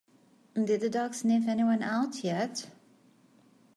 Did the dog sniff anyone out yet?